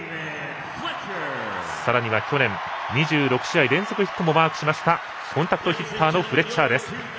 さらには去年２６試合連続ヒットもマークしましたコンパクトヒッターのフレッチャーです。